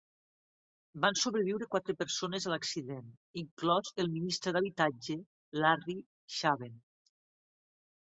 Van sobreviure quatre persones a l"accident, inclòs el ministre d"habitatge, Larry Shaben.